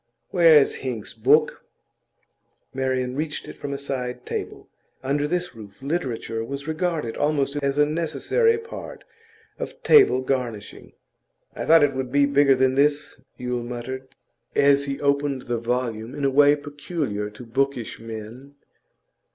'Where is Hinks's book?' Marian reached it from a side table; under this roof, literature was regarded almost as a necessary part of table garnishing. 'I thought it would be bigger than this,' Yule muttered, as he opened the volume in a way peculiar to bookish men.